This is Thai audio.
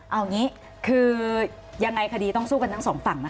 เอางี้คือยังไงคดีต้องสู้กันทั้งสองฝั่งนะคะ